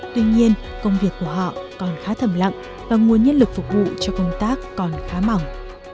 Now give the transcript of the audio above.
tuy nhiên công việc của họ còn khá thầm lặng và nguồn nhân lực phục vụ cho công tác còn khá mỏng